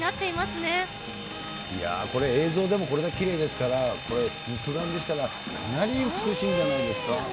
いやー、これ映像でもこれだけきれいですから、これ肉眼でしたら、かなり美しいんじゃないですか？